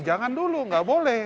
jangan dulu nggak boleh